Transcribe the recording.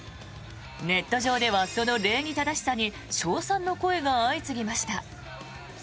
ネット上ではその礼儀正しさに称賛の声が相次ぎました。